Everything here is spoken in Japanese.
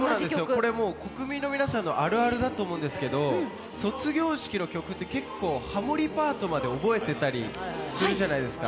これ、国民の皆さんのあるあるだと思うんですけど卒業式の歌って覚えてたりするじゃないですか。